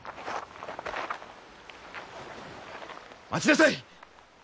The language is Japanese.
待ちなさい！